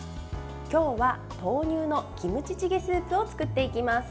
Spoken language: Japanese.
今日は、豆乳のキムチチゲスープを作っていきます。